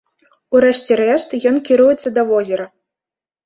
У рэшце рэшт, ён кіруецца да возера.